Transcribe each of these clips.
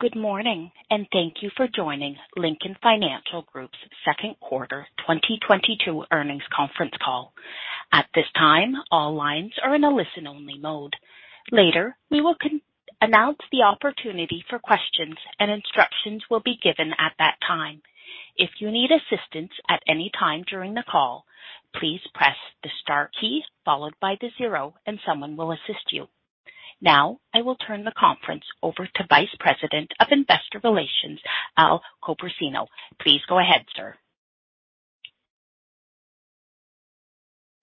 Good morning, and thank you for joining Lincoln Financial Group's Second Quarter 2022 Earnings Conference Call. At this time, all lines are in a listen-only mode. Later, we will announce the opportunity for questions and instructions will be given at that time. If you need assistance at any time during the call, please press the star key followed by the zero, and someone will assist you. Now I will turn the conference over to Vice President of Investor Relations, Al Copersino. Please go ahead, sir.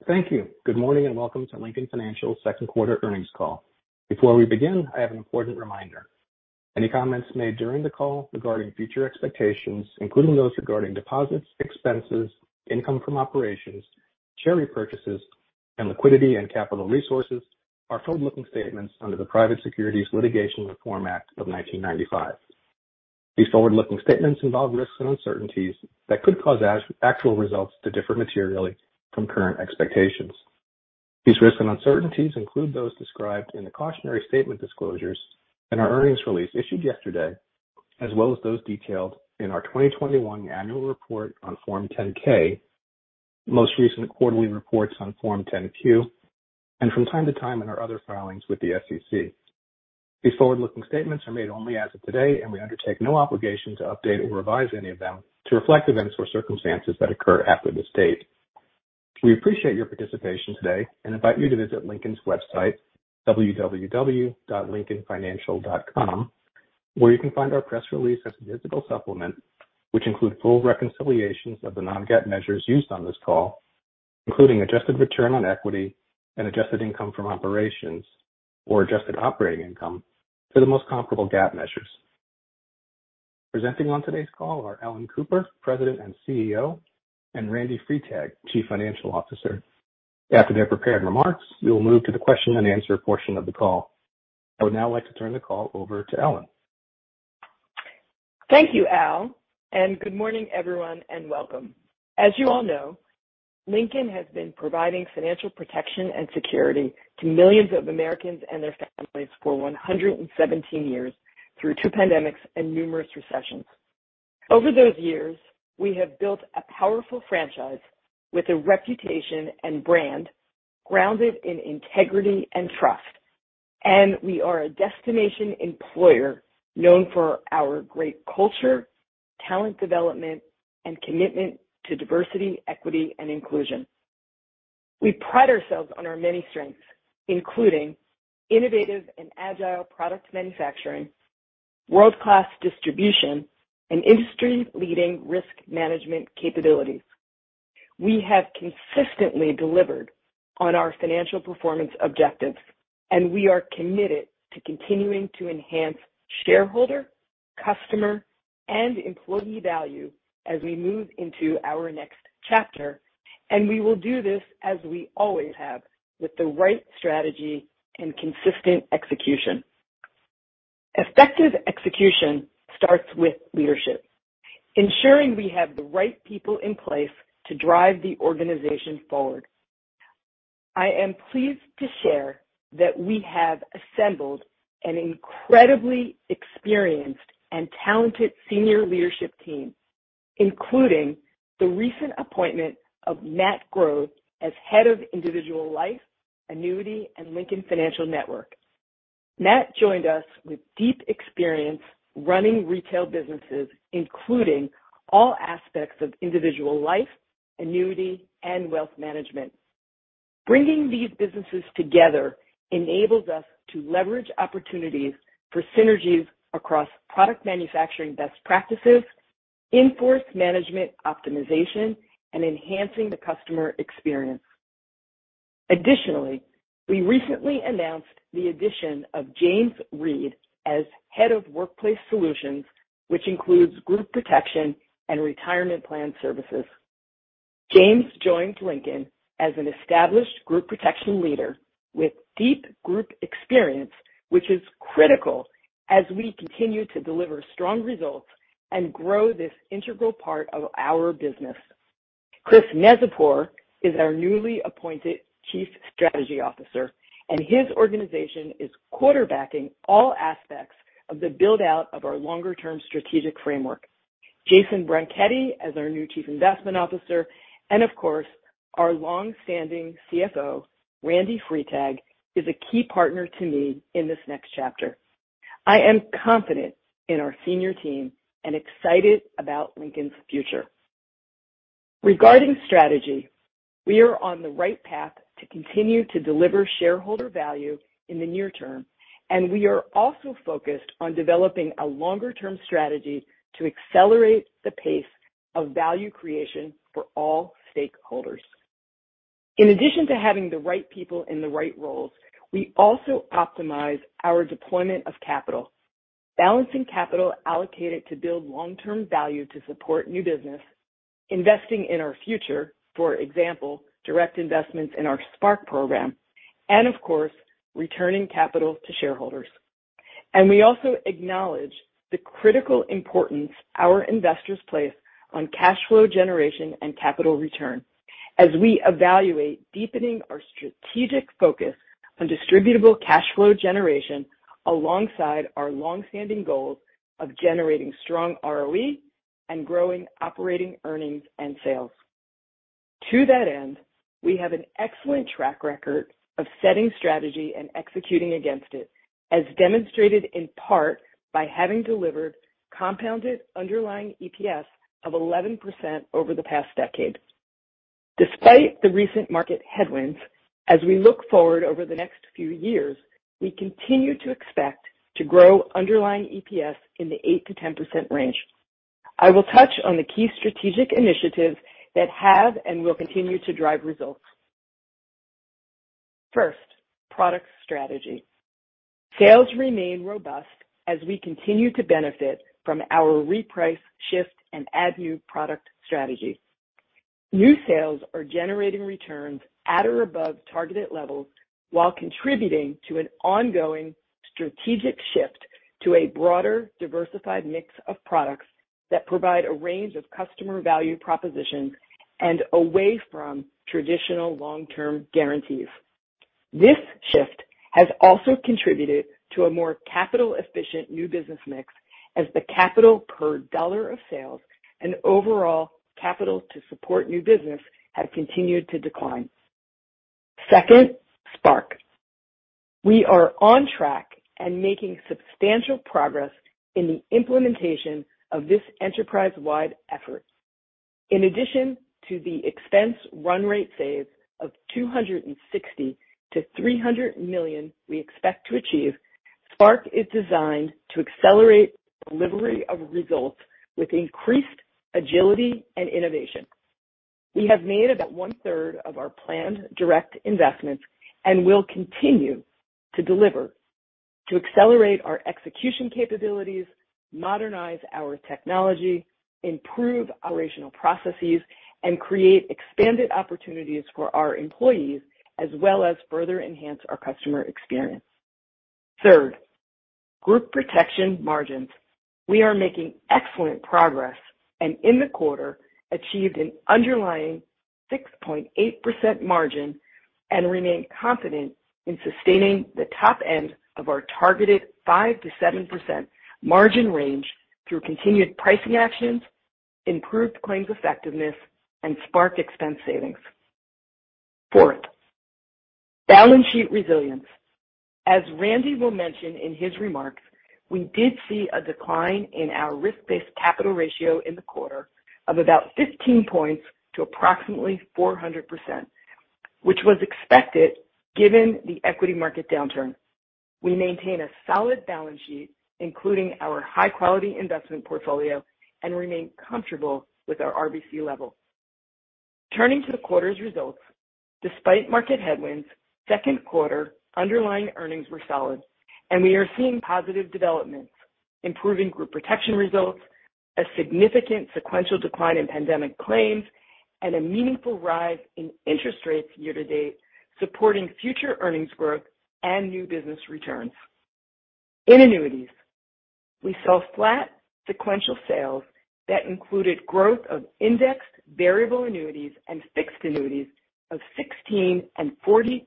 Thank you. Good morning and welcome to Lincoln Financial Q2 earnings call. Before we begin, I have an important reminder. Any comments made during the call regarding future expectations, including those regarding deposits, expenses, income from operations, share repurchases, and liquidity and capital resources are forward-looking statements under the Private Securities Litigation Reform Act of 1995. These forward-looking statements involve risks and uncertainties that could cause actual results to differ materially from current expectations. These risks and uncertainties include those described in the cautionary statement disclosures in our earnings release issued yesterday, as well as those detailed in our 2021 annual report on Form 10-K, most recent quarterly reports on Form 10-Q, and from time to time in our other filings with the SEC. These forward-looking statements are made only as of today, and we undertake no obligation to update or revise any of them to reflect events or circumstances that occur after this date. We appreciate your participation today and invite you to visit Lincoln's website, www.lincolnfinancial.com, where you can find our press release and stat supplement, which include full reconciliations of the non-GAAP measures used on this call, including adjusted return on equity and adjusted income from operations or adjusted operating income for the most comparable GAAP measures. Presenting on today's call are Ellen Cooper, President and CEO, and Randy Freitag, Chief Financial Officer. After their prepared remarks, we will move to the question and answer portion of the call. I would now like to turn the call over to Ellen. Thank you, Al, and good morning everyone, and welcome. As you all know, Lincoln has been providing financial protection and security to millions of Americans and their families for 117 years through two pandemics and numerous recessions. Over those years, we have built a powerful franchise with a reputation and brand grounded in integrity and trust. We are a destination employer known for our great culture, talent development, and commitment to diversity, equity, and inclusion. We pride ourselves on our many strengths, including innovative and agile product manufacturing, world-class distribution, and industry-leading risk management capabilities. We have consistently delivered on our financial performance objectives, and we are committed to continuing to enhance shareholder, customer, and employee value as we move into our next chapter, and we will do this as we always have, with the right strategy and consistent execution. Effective execution starts with leadership, ensuring we have the right people in place to drive the organization forward. I am pleased to share that we have assembled an incredibly experienced and talented senior leadership team, including the recent appointment of Matthew Grove as Head of Individual Life, Annuity, and Lincoln Financial Network. Matt joined us with deep experience running retail businesses, including all aspects of individual life, annuity, and wealth management. Bringing these businesses together enables us to leverage opportunities for synergies across product manufacturing best practices, in-force management optimization, and enhancing the customer experience. Additionally, we recently announced the addition of James Reid as Head of Workplace Solutions, which includes group protection and retirement plan services. James joined Lincoln as an established group protection leader with deep group experience, which is critical as we continue to deliver strong results and grow this integral part of our business. Christopher Neczypor is our newly appointed Chief Strategy Officer, and his organization is quarterbacking all aspects of the build-out of our longer-term strategic framework. Jayson Bronchetti as our new Chief Investment Officer. Of course, our long-standing CFO, Randy Freitag, is a key partner to me in this next chapter. I am confident in our senior team and excited about Lincoln's future. Regarding strategy, we are on the right path to continue to deliver shareholder value in the near term, and we are also focused on developing a longer-term strategy to accelerate the pace of value creation for all stakeholders. In addition to having the right people in the right roles, we also optimize our deployment of capital. Balancing capital allocated to build long-term value to support new business, investing in our future, for example, direct investments in our Spark program, and of course, returning capital to shareholders. We also acknowledge the critical importance our investors place on cash flow generation and capital return. As we evaluate deepening our strategic focus on distributable cash flow generation alongside our long-standing goals of generating strong ROE and growing operating earnings and sales. To that end, we have an excellent track record of setting strategy and executing against it, as demonstrated in part by having delivered compounded underlying EPS of 11% over the past decade. Despite the recent market headwinds, as we look forward over the next few years, we continue to expect to grow underlying EPS in the 8%-10% range. I will touch on the key strategic initiatives that have and will continue to drive results. First, product strategy. Sales remain robust as we continue to benefit from our reprice shift and add new product strategy. New sales are generating returns at or above targeted levels while contributing to an ongoing strategic shift to a broader, diversified mix of products that provide a range of customer value propositions and away from traditional long-term guarantees. This shift has also contributed to a more capital efficient new business mix as the capital per dollar of sales and overall capital to support new business have continued to decline. Second, Spark. We are on track and making substantial progress in the implementation of this enterprise-wide effort. In addition to the expense run rate save of $260 million-$300 million we expect to achieve, Spark is designed to accelerate delivery of results with increased agility and innovation. We have made about 1/3 of our planned direct investments and will continue to deliver to accelerate our execution capabilities, modernize our technology, improve operational processes, and create expanded opportunities for our employees, as well as further enhance our customer experience. Third, Group Protection margins. We are making excellent progress and in the quarter achieved an underlying 6.8% margin and remain confident in sustaining the top end of our targeted 5% to 7% margin range through continued pricing actions, improved claims effectiveness and Spark expense savings. Fourth, balance sheet resilience. As Randy will mention in his remarks, we did see a decline in our risk-based capital ratio in the quarter of about 15 points to approximately 400%, which was expected given the equity market downturn. We maintain a solid balance sheet, including our high quality investment portfolio, and remain comfortable with our RBC level. Turning to the quarter's results, despite market headwinds, second quarter underlying earnings were solid and we are seeing positive developments, improving Group Protection results, a significant sequential decline in pandemic claims, and a meaningful rise in interest rates year to date supporting future earnings growth and new business returns. In annuities, we saw flat sequential sales that included growth of indexed variable annuities and fixed annuities of 16% and 40%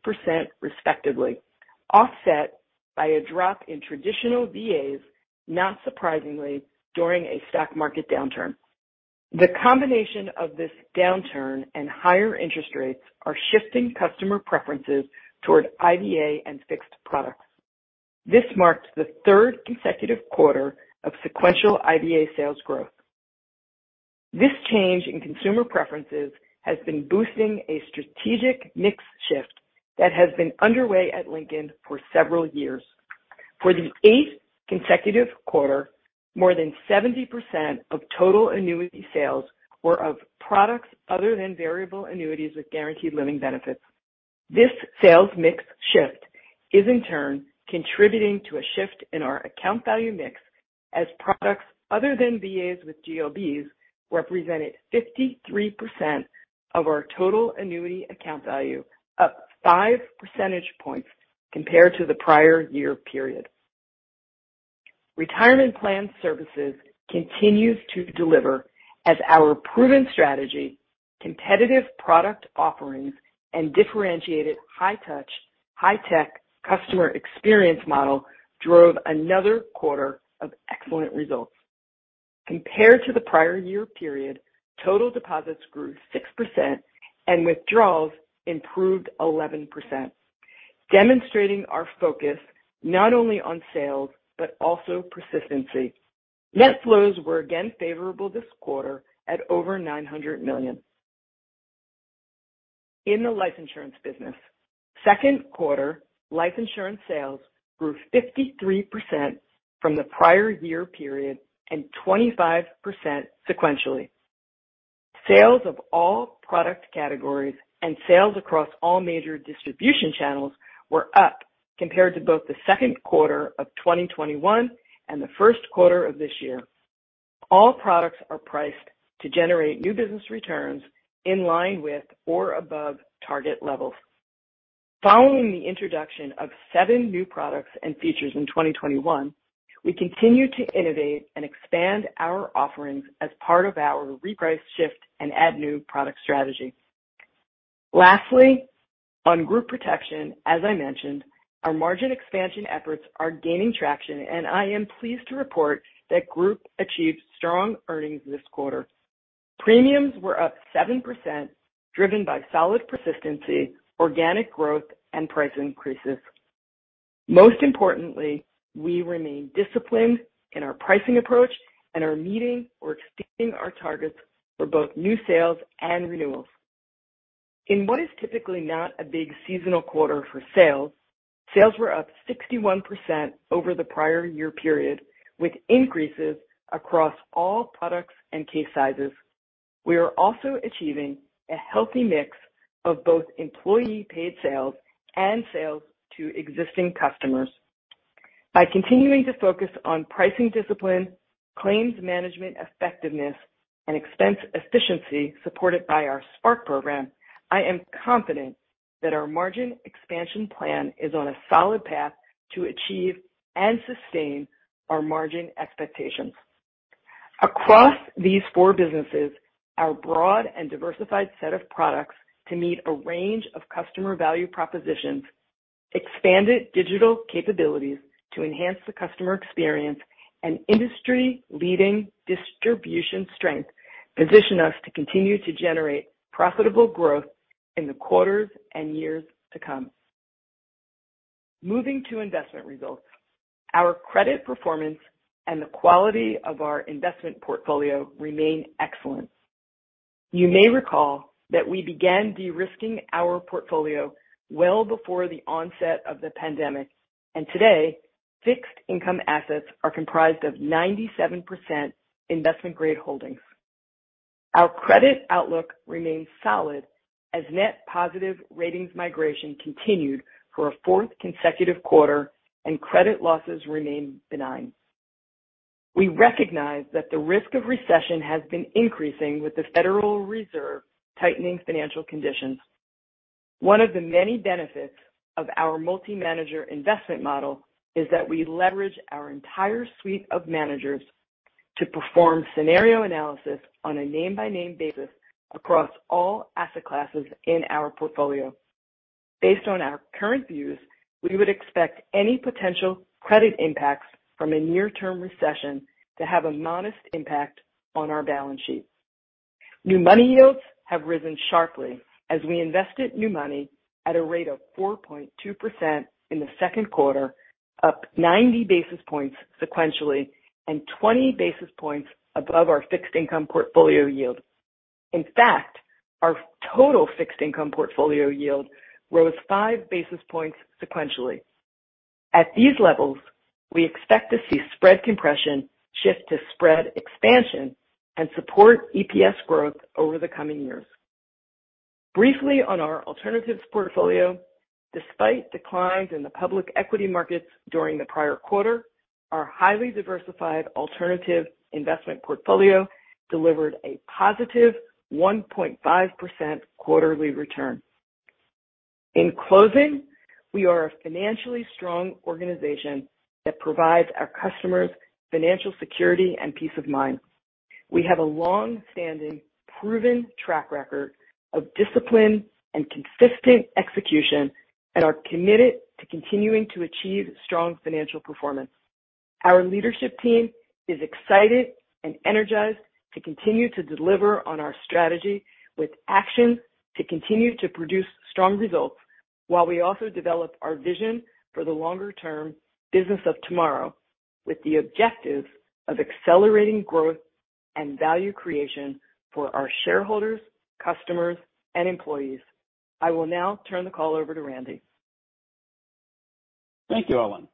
respectively, offset by a drop in traditional VAs, not surprisingly, during a stock market downturn. The combination of this downturn and higher interest rates are shifting customer preferences toward IVA and fixed products. This marks the third consecutive quarter of sequential IVA sales growth. This change in consumer preferences has been boosting a strategic mix shift that has been underway at Lincoln for several years. For the eighth consecutive quarter, more than 70% of total annuity sales were of products other than variable annuities with guaranteed living benefits. This sales mix shift is in turn contributing to a shift in our account value mix as products other than VAs with GLBs represented 53% of our total annuity account value, up 5 percentage points compared to the prior year period. Retirement Plan Services continues to deliver as our proven strategy, competitive product offerings, and differentiated high touch, high tech customer experience model drove another quarter of excellent results. Compared to the prior year period, total deposits grew 6% and withdrawals improved 11%, demonstrating our focus not only on sales but also persistency. Net flows were again favorable this quarter at over $900 million. In the life insurance business, second quarter life insurance sales grew 53% from the prior year period and 25% sequentially. Sales of all product categories and sales across all major distribution channels were up compared to both the second quarter of 2021 and the first quarter of this year. All products are priced to generate new business returns in line with or above target levels. Following the introduction of seven new products and features in 2021, we continue to innovate and expand our offerings as part of our reprice, shift, and add new product strategy. Lastly, on Group Protection, as I mentioned, our margin expansion efforts are gaining traction, and I am pleased to report that Group Protection achieved strong earnings this quarter. Premiums were up 7%, driven by solid persistency, organic growth, and price increases. Most importantly, we remain disciplined in our pricing approach and are meeting or exceeding our targets for both new sales and renewals. In what is typically not a big seasonal quarter for sales were up 61% over the prior year period, with increases across all products and case sizes. We are also achieving a healthy mix of both employee paid sales and sales to existing customers. By continuing to focus on pricing discipline, claims management effectiveness, and expense efficiency supported by our Spark program, I am confident that our margin expansion plan is on a solid path to achieve and sustain our margin expectations. Across these four businesses, our broad and diversified set of products to meet a range of customer value propositions, expanded digital capabilities to enhance the customer experience, and industry-leading distribution strength position us to continue to generate profitable growth in the quarters and years to come. Moving to investment results. Our credit performance and the quality of our investment portfolio remain excellent. You may recall that we began de-risking our portfolio well before the onset of the pandemic, and today, fixed income assets are comprised of 97% investment-grade holdings. Our credit outlook remains solid as net positive ratings migration continued for a fourth consecutive quarter, and credit losses remain benign. We recognize that the risk of recession has been increasing with the Federal Reserve tightening financial conditions. One of the many benefits of our multi-manager investment model is that we leverage our entire suite of managers to perform scenario analysis on a name-by-name basis across all asset classes in our portfolio. Based on our current views, we would expect any potential credit impacts from a near-term recession to have a modest impact on our balance sheet. New money yields have risen sharply as we invested new money at a rate of 4.2% in the second quarter, up 90 basis points sequentially and 20 basis points above our fixed income portfolio yield. In fact, our total fixed income portfolio yield rose 5 basis points sequentially. At these levels, we expect to see spread compression shift to spread expansion and support EPS growth over the coming years. Briefly on our alternatives portfolio. Despite declines in the public equity markets during the prior quarter, our highly diversified alternative investment portfolio delivered a positive 1.5% quarterly return. In closing, we are a financially strong organization that provides our customers financial security and peace of mind. We have a long-standing proven track record of discipline and consistent execution and are committed to continuing to achieve strong financial performance. Our leadership team is excited and energized to continue to deliver on our strategy with action to continue to produce strong results while we also develop our vision for the longer term business of tomorrow with the objective of accelerating growth and value creation for our shareholders, customers, and employees. I will now turn the call over to Randy. Thank you, Ellen.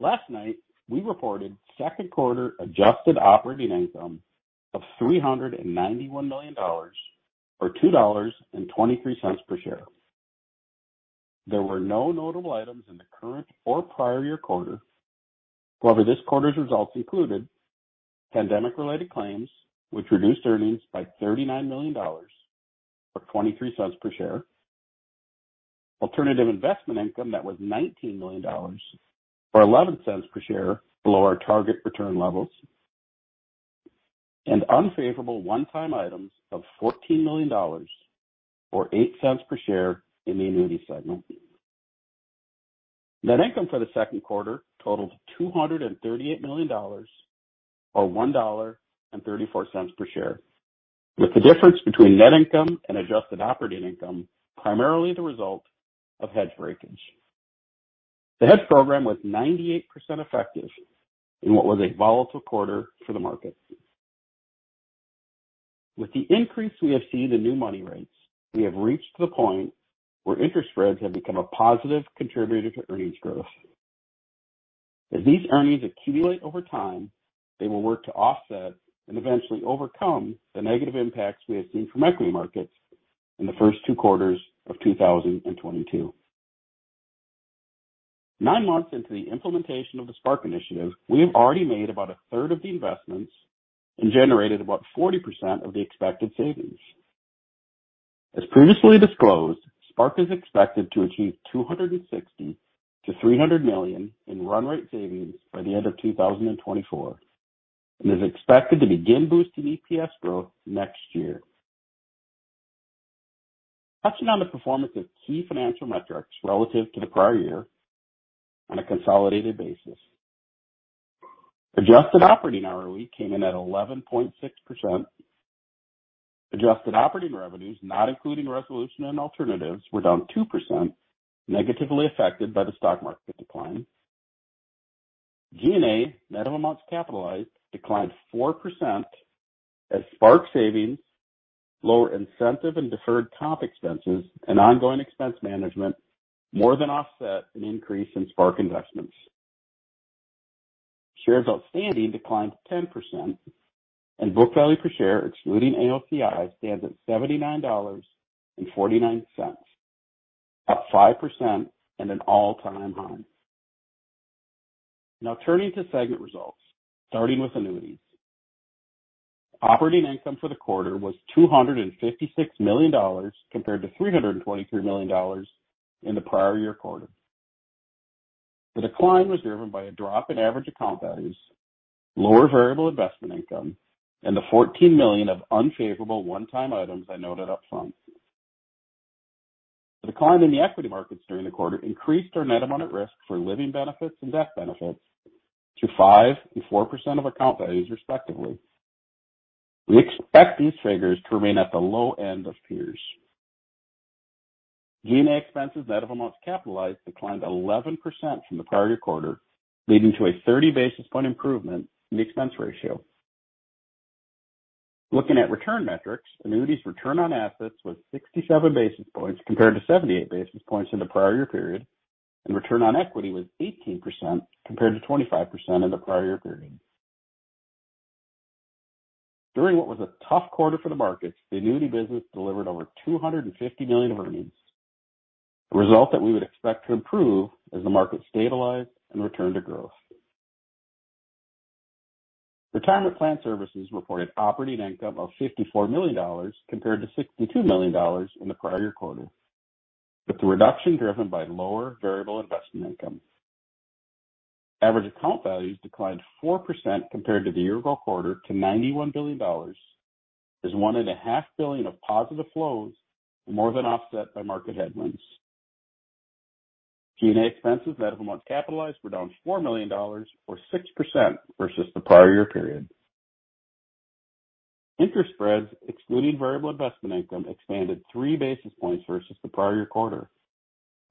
Last night, we reported second quarter adjusted operating income of $391 million or $2.23 per share. There were no notable items in the current or prior year quarter. However, this quarter's results included pandemic-related claims which reduced earnings by $39 million, or $0.23 per share, alternative investment income that was $19 million or $0.11 per share below our target return levels, and unfavorable one-time items of $14 million or $0.08 per share in the annuity segment. Net income for the second quarter totaled $238 million or $1.34 per share. With the difference between net income and adjusted operating income primarily the result of hedge breakage. The hedge program was 98% effective in what was a volatile quarter for the market. With the increase we have seen in new money rates, we have reached the point where interest spreads have become a positive contributor to earnings growth. As these earnings accumulate over time, they will work to offset and eventually overcome the negative impacts we have seen from equity markets in the first two quarters of 2022. Nine months into the implementation of the Spark initiative, we have already made about a third of the investments and generated about 40% of the expected savings. As previously disclosed, Spark is expected to achieve $260 million to $300 million in run rate savings by the end of 2024, and is expected to begin boosting EPS growth next year. Touching on the performance of key financial metrics relative to the prior year on a consolidated basis. Adjusted operating ROE came in at 11.6%. Adjusted operating revenues, not including resolution and alternatives, were down 2%, negatively affected by the stock market decline. G&A net amounts capitalized declined 4% as Spark savings, lower incentive and deferred comp expenses, and ongoing expense management more than offset an increase in Spark investments. Shares outstanding declined 10% and book value per share, excluding ALCI, stands at $79.49, up 5% and an all-time high. Now turning to segment results, starting with annuities. Operating income for the quarter was $256 million compared to $323 million in the prior year quarter. The decline was driven by a drop in average account values, lower variable investment income, and the $14 million of unfavorable one-time items I noted up front. The decline in the equity markets during the quarter increased our net amount at risk for living benefits and death benefits to 5% and 4% of account values, respectively. We expect these figures to remain at the low end of peers. G&A expenses net of amounts capitalized declined 11% from the prior year quarter, leading to a 30 basis point improvement in the expense ratio. Looking at return metrics, annuities return on assets was 67 basis points compared to 78 basis points in the prior year period, and return on equity was 18% compared to 25% in the prior year period. During what was a tough quarter for the markets, the annuity business delivered over $250 million earnings, a result that we would expect to improve as the markets stabilize and return to growth. Retirement Plan Services reported operating income of $54 million compared to $62 million in the prior year quarter, with the reduction driven by lower variable investment income. Average account values declined 4% compared to the year-ago quarter to $91 billion as $1.5 billion of positive flows were more than offset by market headwinds. G&A expenses net of amounts capitalized were down $4 million or 6% versus the prior year period. Interest spreads, excluding variable investment income, expanded 3 basis points versus the prior year quarter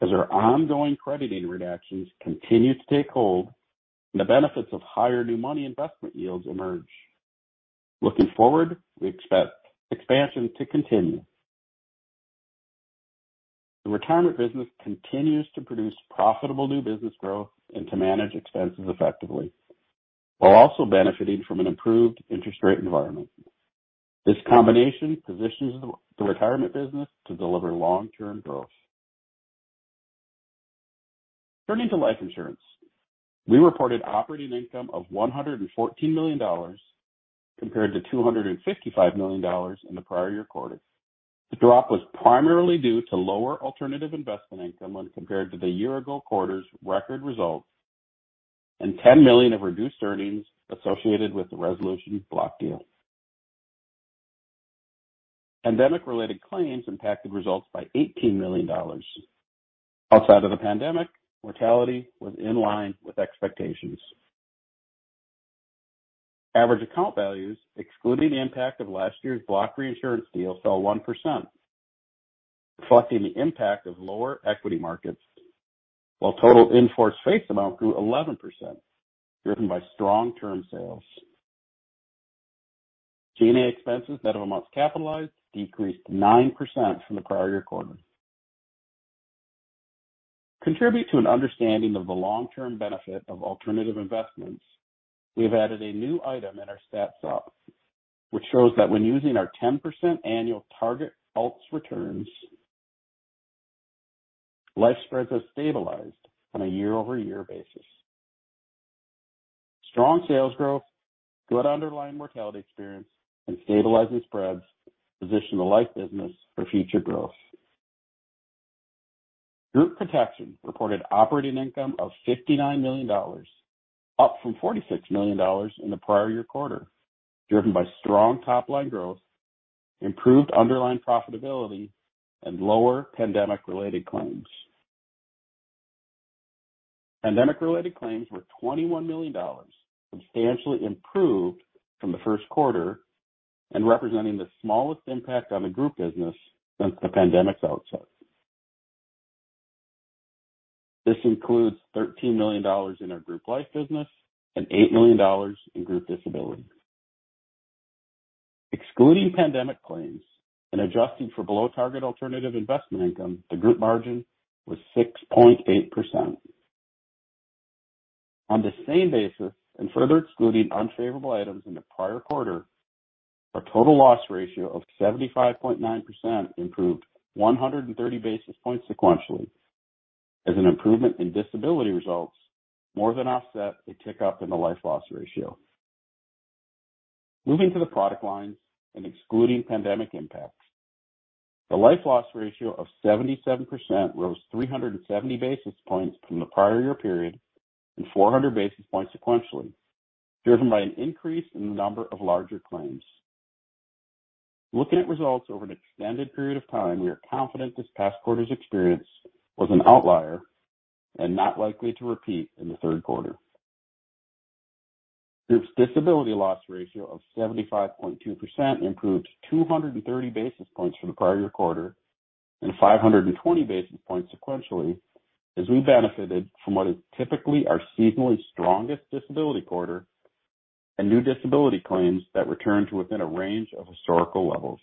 as our ongoing crediting reductions continued to take hold and the benefits of higher new money investment yields emerged. Looking forward, we expect expansion to continue. The retirement business continues to produce profitable new business growth and to manage expenses effectively while also benefiting from an improved interest rate environment. This combination positions the retirement business to deliver long-term growth. Turning to life insurance. We reported operating income of $114 million compared to $255 million in the prior year quarter. The drop was primarily due to lower alternative investment income when compared to the year-ago quarter's record results and $10 million of reduced earnings associated with the resolution block deal. Pandemic-related claims impacted results by $18 million. Outside of the pandemic, mortality was in line with expectations. Average account values, excluding the impact of last year's block reinsurance deal, fell 1%, reflecting the impact of lower equity markets, while total in-force face amount grew 11%, driven by strong term sales. G&A expenses net of amounts capitalized decreased 9% from the prior year quarter. Contribute to an understanding of the long-term benefit of alternative investments, we have added a new item in our stat supplement, which shows that when using our 10% annual target ALTS returns, life spreads have stabilized on a year-over-year basis. Strong sales growth, good underlying mortality experience, and stabilizing spreads position the life business for future growth. Group Protection reported operating income of $59 million, up from $46 million in the prior year quarter, driven by strong top-line growth, improved underlying profitability, and lower pandemic-related claims. Pandemic-related claims were $21 million, substantially improved from the first quarter and representing the smallest impact on the group business since the pandemic's outset. This includes $13 million in our group life business and $8 million in group disability. Excluding pandemic claims and adjusting for below-target alternative investment income, the group margin was 6.8%. On the same basis, and further excluding unfavorable items in the prior quarter, our total loss ratio of 75.9% improved 130 basis points sequentially as an improvement in disability results more than offset a tick up in the life loss ratio. Moving to the product lines and excluding pandemic impacts, the life loss ratio of 77% rose 370 basis points from the prior year period and 400 basis points sequentially, driven by an increase in the number of larger claims. Looking at results over an extended period of time, we are confident this past quarter's experience was an outlier and not likely to repeat in the third quarter. Group's disability loss ratio of 75.2% improved 230 basis points from the prior year quarter and 520 basis points sequentially as we benefited from what is typically our seasonally strongest disability quarter and new disability claims that returned to within a range of historical levels.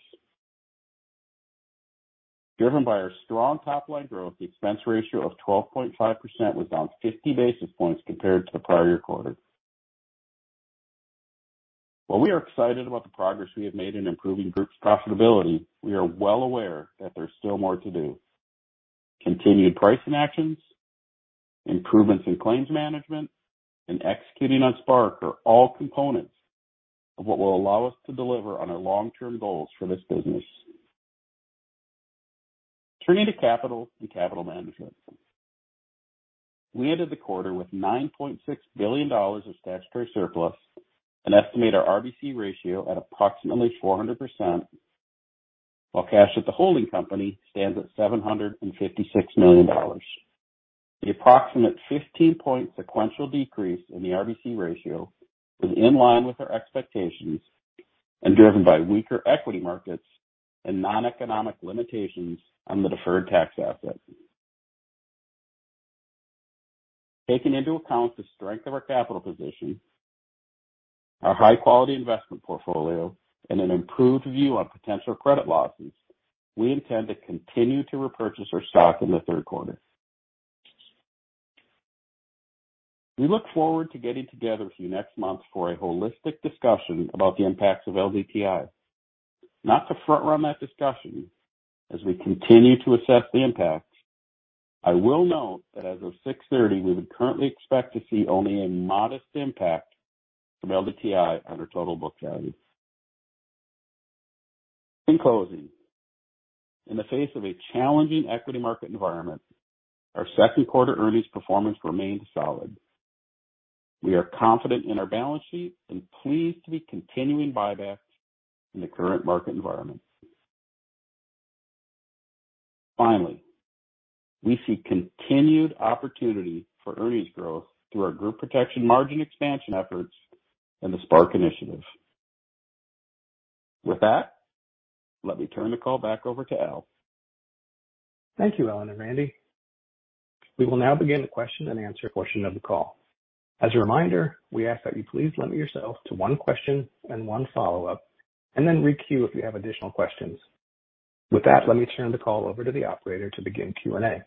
Driven by our strong top line growth, the expense ratio of 12.5% was down 50 basis points compared to the prior year quarter. While we are excited about the progress we have made in improving group's profitability, we are well aware that there's still more to do. Continued pricing actions, improvements in claims management, and executing on Spark are all components of what will allow us to deliver on our long-term goals for this business. Turning to capital and capital management. We ended the quarter with $9.6 billion of statutory surplus and estimate our RBC ratio at approximately 400%, while cash at the holding company stands at $756 million. The approximate 15-point sequential decrease in the RBC ratio was in line with our expectations and driven by weaker equity markets and noneconomic limitations on the deferred tax asset. Taking into account the strength of our capital position, our high-quality investment portfolio, and an improved view on potential credit losses, we intend to continue to repurchase our stock in the third quarter. We look forward to getting together with you next month for a holistic discussion about the impacts of LDTI. Not to front run that discussion as we continue to assess the impacts, I will note that as of 6:30, we would currently expect to see only a modest impact from LDTI on our total book value. In closing, in the face of a challenging equity market environment, our second quarter earnings performance remains solid. We are confident in our balance sheet and pleased to be continuing buybacks in the current market environment. Finally, we see continued opportunity for earnings growth through our Group Protection margin expansion efforts and the Spark initiative. With that, let me turn the call back over to Al. Thank you, Ellen Cooper and Randy Freitag. We will now begin the question and answer portion of the call. As a reminder, we ask that you please limit yourself to one question and one follow-up, and then re-queue if you have additional questions. With that, let me turn the call over to the operator to begin Q&A.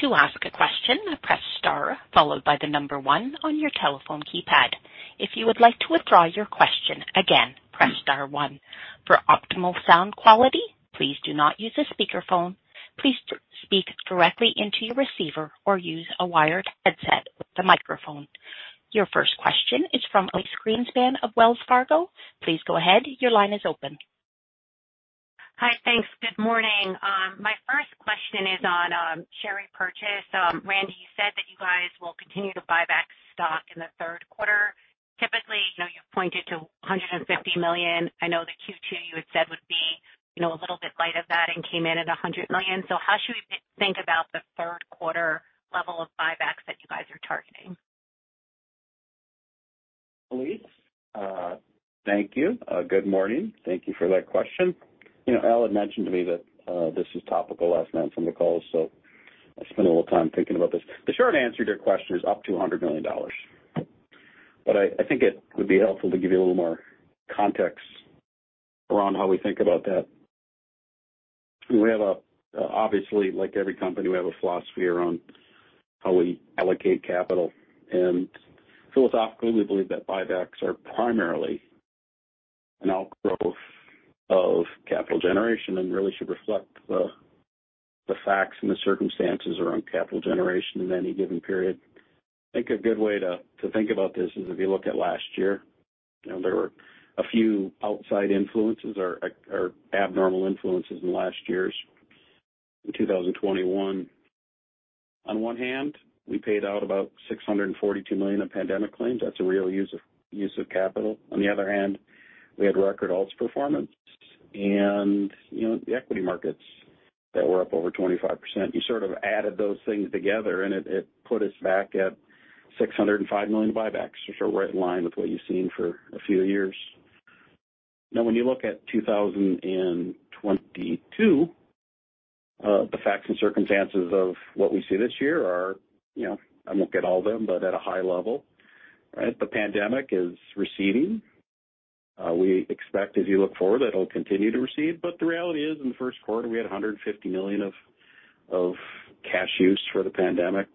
To ask a question, press Star followed by the number one on your telephone keypad. If you would like to withdraw your question, again, press star one. For optimal sound quality, please do not use a speakerphone. Please speak directly into your receiver or use a wired headset with a microphone. Your first question is from Elyse Greenspan of Wells Fargo. Please go ahead. Your line is open. Hi. Thanks. Good morning. My first question is on share repurchase. Randy, you said that you guys will continue to buy back stock in the third quarter. Typically, you know, you've pointed to $150 million. I know that Q2 you had said would be, you know, a little bit light of that and came in at $100 million. How should we think about the third quarter level of buybacks that you guys are targeting? Elyse, thank you. Good morning. Thank you for that question. You know, Al had mentioned to me that this was topical last night from the call, so I spent a little time thinking about this. The short answer to your question is up to $100 million. I think it would be helpful to give you a little more context around how we think about that. Obviously, like every company, we have a philosophy around how we allocate capital. Philosophically, we believe that buybacks are primarily an outgrowth of capital generation and really should reflect the facts and the circumstances around capital generation in any given period. I think a good way to think about this is if you look at last year, you know, there were a few outside influences or abnormal influences in last year, in 2021. On one hand, we paid out about $642 million in pandemic claims. That's a real use of capital. On the other hand, we had record alts performance and, you know, the equity markets that were up over 25%. You sort of added those things together, and it put us back at $605 million buybacks, which are right in line with what you've seen for a few years. Now, when you look at 2022, the facts and circumstances of what we see this year are, you know, I won't get all of them, but at a high level, right? The pandemic is receding. We expect as you look forward, that'll continue to recede, but the reality is in the first quarter, we had $150 million of cash use for the pandemic.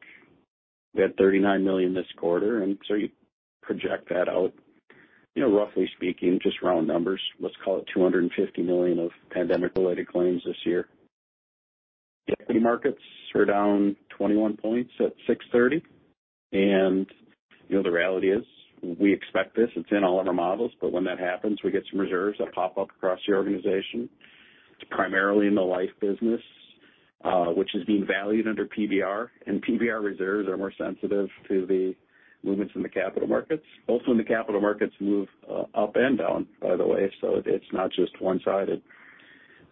We had $39 million this quarter, and so you project that out, you know, roughly speaking, just round numbers, let's call it $250 million of pandemic-related claims this year. The equity markets are down 21 points at 6:30 P.M. You know, the reality is we expect this. It's in all of our models, but when that happens, we get some reserves that pop up across the organization. It's primarily in the life business, which is being valued under PBR, and PBR reserves are more sensitive to the movements in the capital markets. Also in the capital markets move up and down, by the way. It's not just one-sided.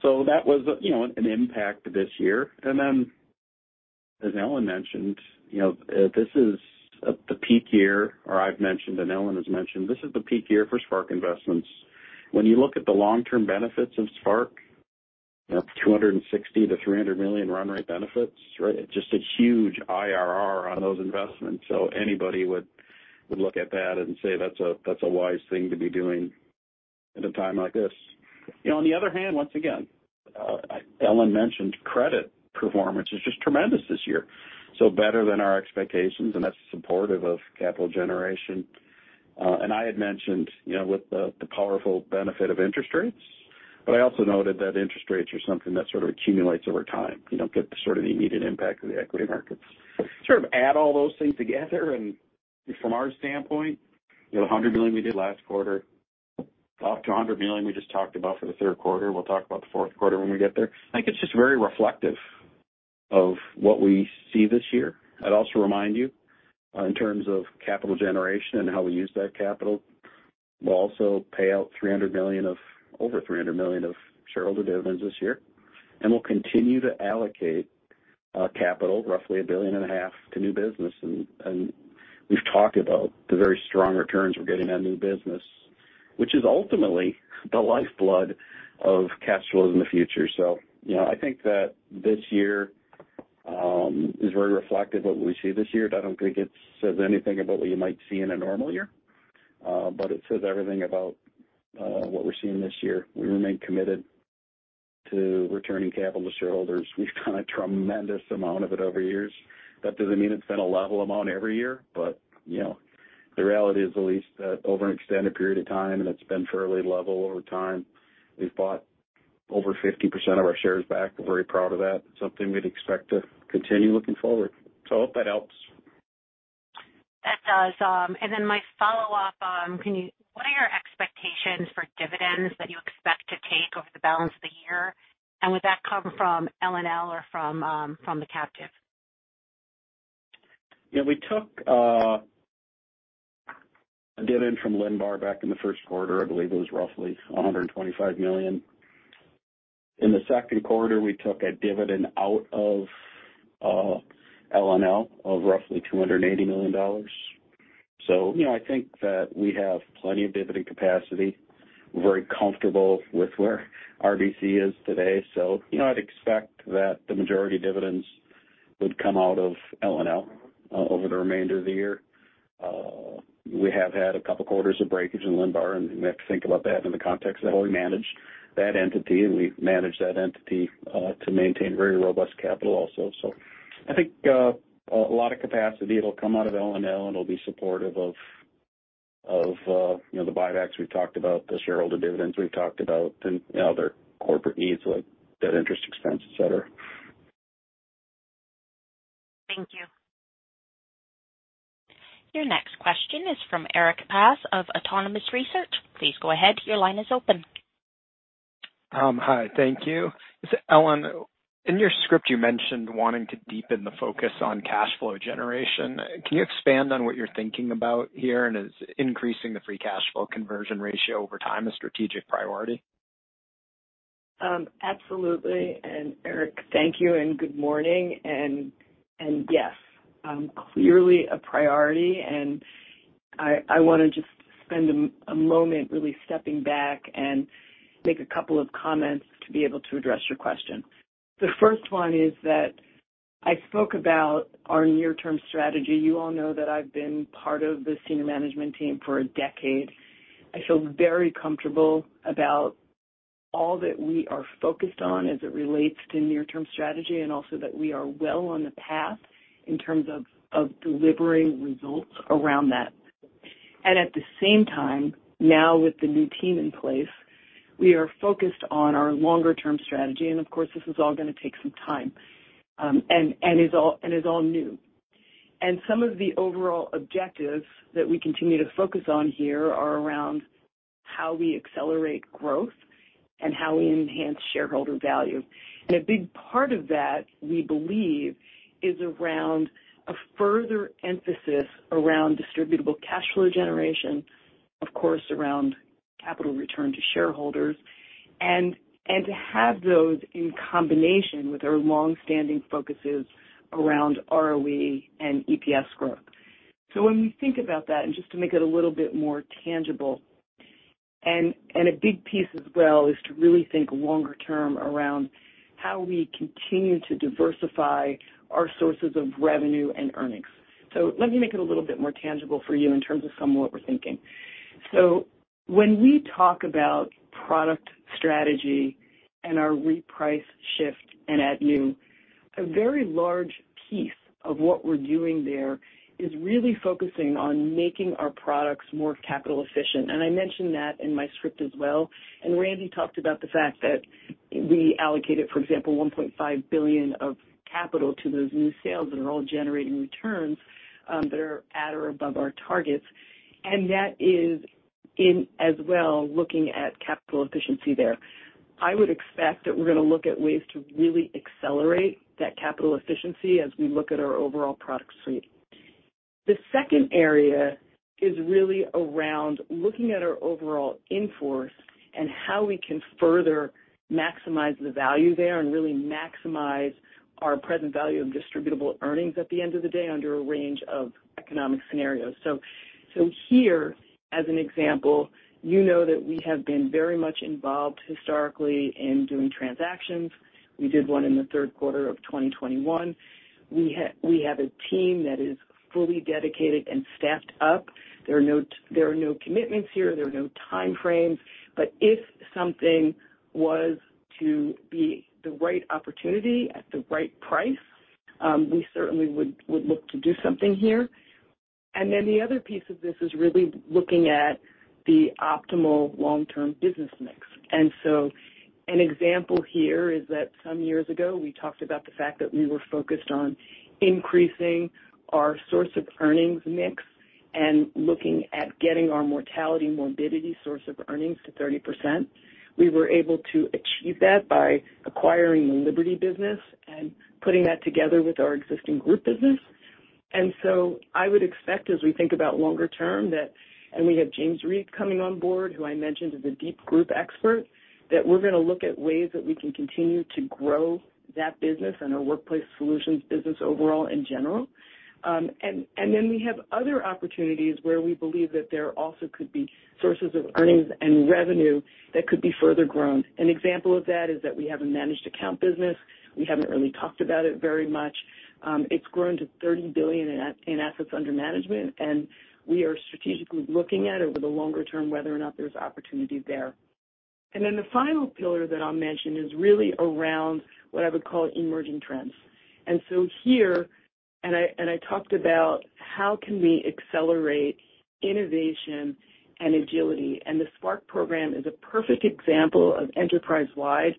That was, you know, an impact this year. As Ellen mentioned, you know, this is the peak year, or I've mentioned, and Ellen has mentioned, this is the peak year for Spark investments. When you look at the long-term benefits of Spark, you know, $260 million-$300 million run rate benefits, right? It's just a huge IRR on those investments. Anybody would look at that and say that's a wise thing to be doing at a time like this. You know, on the other hand, once again, Ellen mentioned credit performance is just tremendous this year, so better than our expectations, and that's supportive of capital generation. I had mentioned, you know, with the powerful benefit of interest rates, but I also noted that interest rates are something that sort of accumulates over time. You don't get the sort of immediate impact of the equity markets. Sort of add all those things together, and from our standpoint, you know, the $100 million we did last quarter, up to $100 million we just talked about for the Q3, we'll talk about the Q4 when we get there. I think it's just very reflective of what we see this year. I'd also remind you, in terms of capital generation and how we use that capital, we'll also pay out $300 million of, over $300 million of shareholder dividends this year. We'll continue to allocate, capital, roughly $1.5 billion to new business. We've talked about the very strong returns we're getting on new business, which is ultimately the lifeblood of cash flows in the future. You know, I think that this year is very reflective of what we see this year. I don't think it says anything about what you might see in a normal year, but it says everything about what we're seeing this year. We remain committed to returning capital to shareholders. We've done a tremendous amount of it over years. That doesn't mean it's been a level amount every year, but you know, the reality is at least that over an extended period of time, and it's been fairly level over time, we've bought over 50% of our shares back. We're very proud of that. It's something we'd expect to continue looking forward. I hope that helps. That does. My follow-up, what are your expectations for dividends that you expect to take over the balance of the year? Would that come from L&L or from the captive? Yeah, we took a dividend from LINBAR back in the Q1. I believe it was roughly $125 million. In the Q2, we took a dividend out of L&L of roughly $280 million. You know, I think that we have plenty of dividend capacity. We're very comfortable with where RBC is today. You know, I'd expect that the majority of dividends would come out of L&L over the remainder of the year. We have had a couple quarters of breakage in LINBAR, and we have to think about that in the context of how we manage that entity, and we manage that entity to maintain very robust capital also. I think a lot of capacity. It'll come out of L&L, and it'll be supportive of you know, the buybacks we've talked about, the shareholder dividends we've talked about, and other corporate needs like debt interest expense, et cetera. Thank you. Your next question is from Erik Bass of Autonomous Research. Please go ahead. Your line is open. Hi. Thank you. Ellen, in your script, you mentioned wanting to deepen the focus on cash flow generation. Can you expand on what you're thinking about here, and is increasing the free cash flow conversion ratio over time a strategic priority? Absolutely. Erik, thank you, and good morning. Yes, clearly a priority. I wanna just spend a moment really stepping back and make a couple of comments to be able to address your question. The first one is that I spoke about our near-term strategy. You all know that I've been part of the senior management team for a decade. I feel very comfortable about all that we are focused on as it relates to near-term strategy, and also that we are well on the path in terms of delivering results around that. At the same time, now with the new team in place, we are focused on our longer-term strategy, and of course, this is all gonna take some time, and is all new. Some of the overall objectives that we continue to focus on here are around how we accelerate growth and how we enhance shareholder value. A big part of that, we believe, is around a further emphasis around distributable cash flow generation, of course, around capital return to shareholders, and to have those in combination with our long-standing focuses around ROE and EPS growth. When we think about that and just to make it a little bit more tangible, and a big piece as well is to really think longer term around how we continue to diversify our sources of revenue and earnings. Let me make it a little bit more tangible for you in terms of some of what we're thinking. When we talk about product strategy and our reprice shift and add new, a very large piece of what we're doing there is really focusing on making our products more capital efficient. I mentioned that in my script as well. Randy talked about the fact that we allocated, for example, $1.5 billion of capital to those new sales that are all generating returns, that are at or above our targets. That is in as well, looking at capital efficiency there. I would expect that we're going to look at ways to really accelerate that capital efficiency as we look at our overall product suite. The second area is really around looking at our overall in force and how we can further maximize the value there and really maximize our present value of distributable earnings at the end of the day under a range of economic scenarios. Here, as an example, you know that we have been very much involved historically in doing transactions. We did one in the Q3 of 2021. We have a team that is fully dedicated and staffed up. There are no commitments here, there are no time frames. If something was to be the right opportunity at the right price, we certainly would look to do something here. Then the other piece of this is really looking at the optimal long-term business mix. An example here is that some years ago, we talked about the fact that we were focused on increasing our source of earnings mix and looking at getting our mortality morbidity source of earnings to 30%. We were able to achieve that by acquiring the Liberty business and putting that together with our existing group business. I would expect, as we think about longer term, that, and we have James Reid coming on board, who I mentioned is a deep group expert, that we're going to look at ways that we can continue to grow that business and our Workplace Solutions business overall in general. We have other opportunities where we believe that there also could be sources of earnings and revenue that could be further grown. An example of that is that we have a managed account business. We haven't really talked about it very much. It's grown to $30 billion in assets under management, and we are strategically looking at over the longer term whether or not there's opportunity there. Then the final pillar that I'll mention is really around what I would call emerging trends. Here, I talked about how can we accelerate innovation and agility. The Spark program is a perfect example of enterprise-wide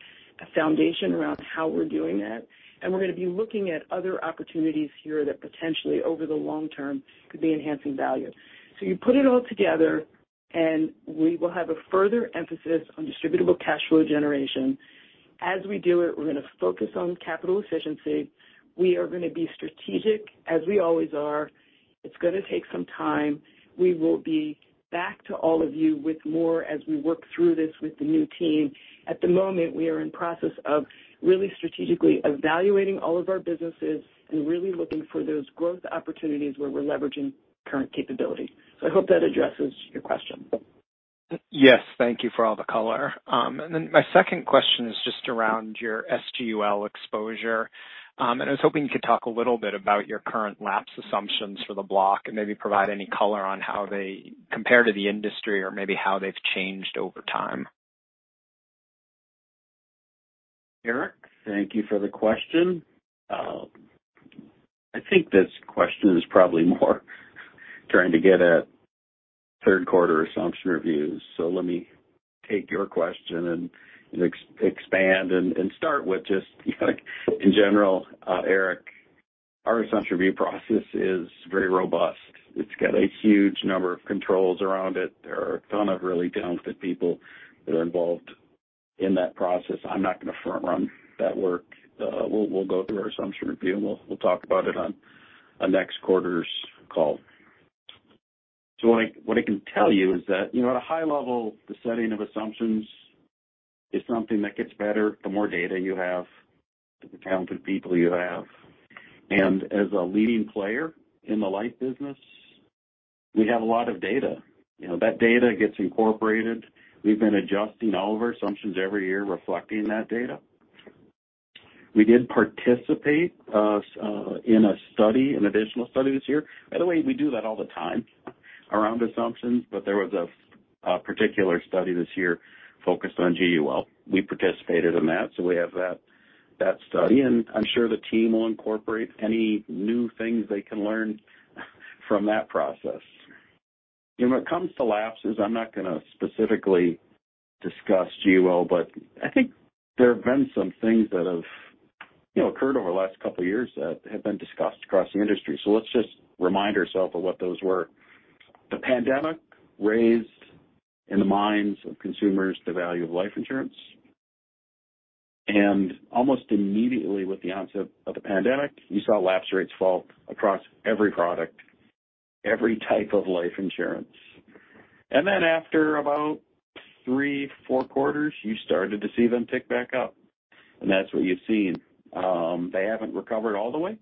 foundation around how we're doing that. We're going to be looking at other opportunities here that potentially over the long term could be enhancing value. You put it all together, and we will have a further emphasis on distributable cash flow generation. As we do it, we're going to focus on capital efficiency. We are going to be strategic, as we always are. It's going to take some time. We will be back to all of you with more as we work through this with the new team. At the moment, we are in process of really strategically evaluating all of our businesses and really looking for those growth opportunities where we're leveraging current capability. I hope that addresses your question. Yes. Thank you for all the color. My second question is just around your SGUL exposure. I was hoping you could talk a little bit about your current lapse assumptions for the block and maybe provide any color on how they compare to the industry or maybe how they've changed over time. Erik, thank you for the question. I think this question is probably more trying to get at Q3 assumption reviews. Let me take your question and expand and start with just, you know, in general, Erik, our assumption review process is very robust. It's got a huge number of controls around it. There are a ton of really talented people that are involved in that process. I'm not going to front run that work. We'll go through our assumption review, and we'll talk about it on a next quarter's call. What I can tell you is that, you know, at a high level, the setting of assumptions is something that gets better the more data you have, the talented people you have. As a leading player in the life business, we have a lot of data. You know, that data gets incorporated. We've been adjusting all of our assumptions every year reflecting that data. We did participate in a study, an additional study this year. By the way, we do that all the time around assumptions, but there was a particular study this year focused on GUL. We participated in that, so we have that study, and I'm sure the team will incorporate any new things they can learn from that process. When it comes to lapses, I'm not going to specifically discuss GUL, but I think there have been some things that have, you know, occurred over the last couple of years that have been discussed across the industry. Let's just remind ourselves of what those were. The pandemic raised in the minds of consumers the value of life insurance. Almost immediately with the onset of the pandemic, you saw lapse rates fall across every product, every type of life insurance. After about three, four quarters, you started to see them tick back up. That's what you've seen. They haven't recovered all the way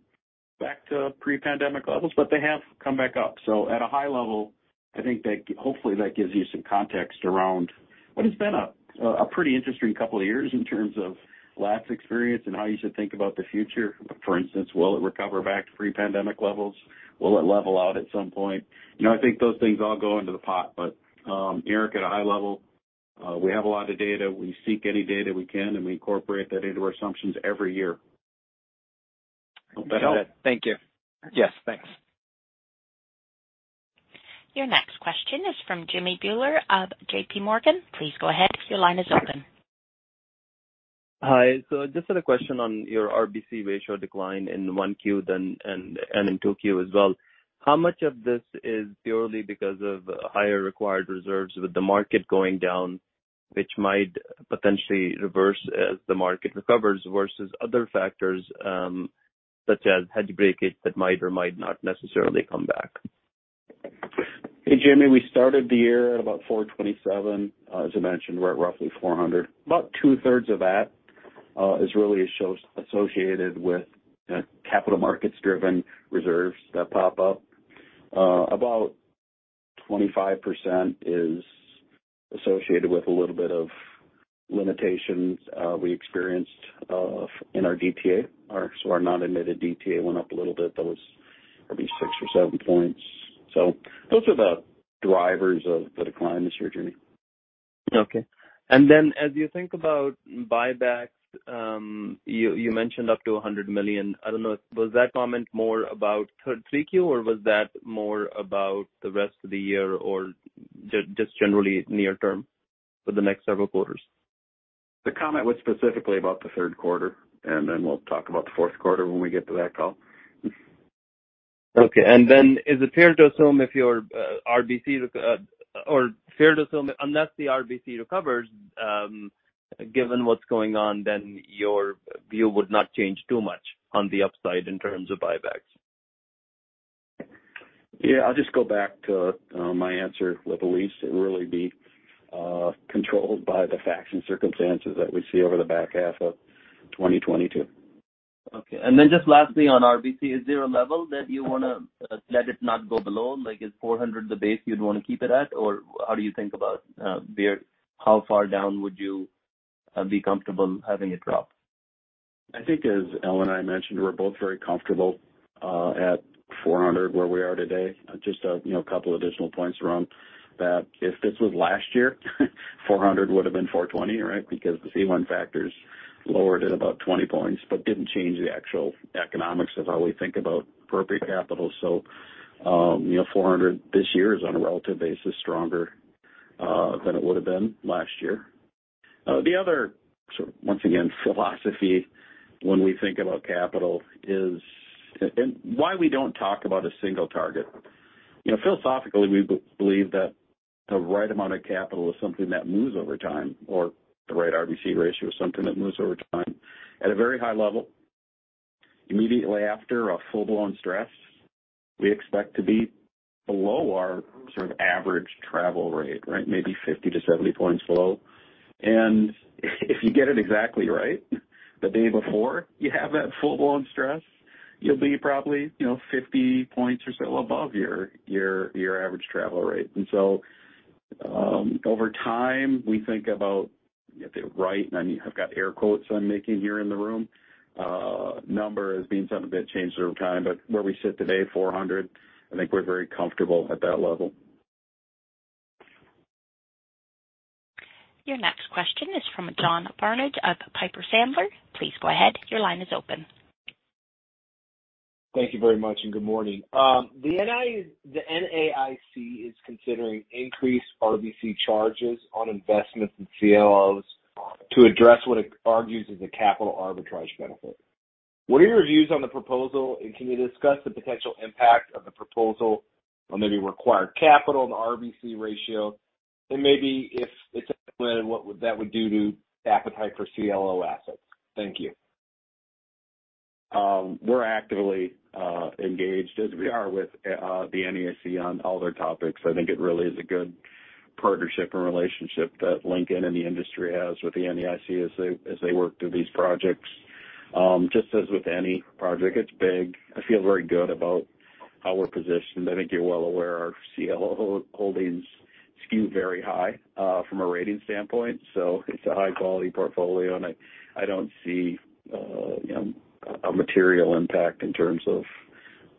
back to pre-pandemic levels, but they have come back up. At a high level, I think that hopefully that gives you some context around. It's been a pretty interesting couple of years in terms of lapse experience and how you should think about the future. For instance, will it recover back to pre-pandemic levels? Will it level out at some point? You know, I think those things all go into the pot. Erik, at a high level, we have a lot of data. We seek any data we can, and we incorporate that into our assumptions every year. Hope that helped. Thank you. Yes, thanks. Your next question is from Jimmy Bhullar of J.P. Morgan Please go ahead. Your line is open. Hi. Just had a question on your RBC ratio decline in 1Q then and in 2Q as well. How much of this is purely because of higher required reserves with the market going down, which might potentially reverse as the market recovers versus other factors, such as hedge breakage that might or might not necessarily come back? Hey, Jimmy. We started the year at about 427. As I mentioned, we're at roughly 400. About 2/3 of that is really associated with capital markets-driven reserves that pop up. About 25% is associated with a little bit of limitations we experienced in our DTA. Our non-admitted DTA went up a little bit. That was maybe six or seven points. Those are the drivers of the decline this year, Jimmy. Okay. Then as you think about buybacks, you mentioned up to $100 million. I don't know, was that comment more about 3Q or was that more about the rest of the year or just generally near-term for the next several quarters? The comment was specifically about the Q3, and then we'll talk about the Q4 when we get to that call. Okay. Is it fair to assume unless the RBC recovers, given what's going on, then your view would not change too much on the upside in terms of buybacks? Yeah. I'll just go back to my answer with Elyse. It'd really be controlled by the facts and circumstances that we see over the back half of 2022. Okay. Just lastly on RBC, is there a level that you wanna let it not go below? Like, is 400 the base you'd want to keep it at? Or how do you think about, how far down would you be comfortable having it drop? I think as Ellen and I mentioned, we're both very comfortable at 400 where we are today. Just a you know couple additional points around that. If this was last year, 400 would've been 420, right? Because the C1 factor's lowered at about 20 points, but didn't change the actual economics of how we think about appropriate capital. You know, 400 this year is on a relative basis stronger than it would've been last year. The other sort of once again philosophy when we think about capital is and why we don't talk about a single target. You know, philosophically, we believe that the right amount of capital is something that moves over time, or the right RBC ratio is something that moves over time. At a very high level, immediately after a full-blown stress, we expect to be below our sort of average travel rate, right? Maybe 50 to 70 points below. If you get it exactly right the day before you have that full-blown stress, you'll be probably, you know, 50 points or so above your average travel rate. Over time, we think about, if they're right, and I've got air quotes I'm making here in the room, number as being something that changes over time. Where we sit today, 400, I think we're very comfortable at that level. Your next question is from John Barnidge of Piper Sandler. Please go ahead. Your line is open. Thank you very much, and good morning. The NAIC is considering increased RBC charges on investments in CLOs to address what it argues is a capital arbitrage benefit. What are your views on the proposal, and can you discuss the potential impact of the proposal on maybe required capital and the RBC ratio? Maybe if it's implemented, that would do to appetite for CLO assets? Thank you. We're actively engaged as we are with the NAIC on all their topics. I think it really is a good partnership and relationship that Lincoln and the industry has with the NAIC as they work through these projects. Just as with any project, it's big. I feel very good about how we're positioned. I think you're well aware our CLO holdings skew very high from a rating standpoint. So it's a high-quality portfolio, and I don't see, you know, a material impact in terms of